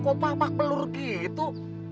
kok pamak pelur gitu